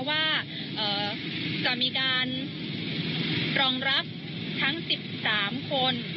ว่าจะมีการรองรับทั้ง๑๓คน